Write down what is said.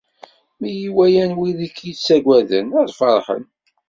Mi yi-walan wid i k-ittaggaden, ad ferḥen.